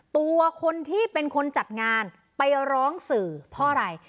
ตัวคนที่เป็นคนจัดงานไปร้องสื่อเพราะอะไร